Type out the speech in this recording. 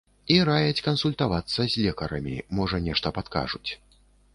І раяць кансультавацца з лекарамі, можа, нешта падкажуць.